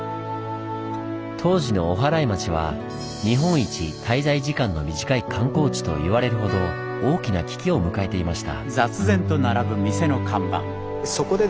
当時のおはらい町は「日本一滞在時間の短い観光地」と言われるほど大きな危機を迎えていました。